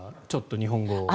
日本語を。